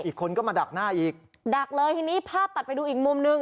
อีกคนก็มาดักหน้าอีกดักเลยทีนี้ภาพตัดไปดูอีกมุมหนึ่ง